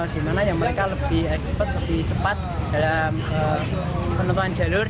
dimana yang mereka lebih expert lebih cepat dalam penentuan jalur